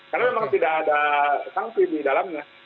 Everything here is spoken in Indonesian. karena memang tidak ada sanksi di dalamnya